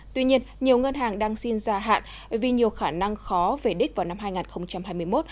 tuy nhiên nhiều ngân hàng đang xin gia hạn vì nhiều khả năng khó về đích vào năm hai nghìn hai mươi một